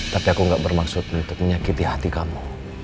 tapi aku gak bermaksud untuk menyakiti hati kamu